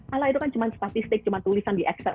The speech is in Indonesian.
ala itu kan cuma statistik cuma tulisan di ekster